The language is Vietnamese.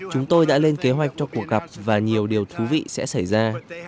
chúng tôi đã lên kế hoạch cho cuộc gặp và nhiều điều thú vị sẽ xảy ra